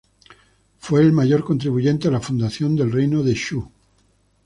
Fue el mayor contribuyente a la fundación del reino de Shu.